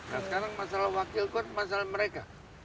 nah sekarang masalah wakilkuan masalah mereka